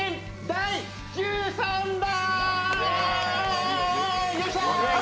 第１３弾！